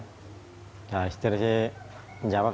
nah istri sih menjawab